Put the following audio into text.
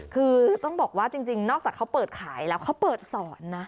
คือต้องบอกว่าจริงนอกจากเขาเปิดขายแล้วเขาเปิดสอนนะ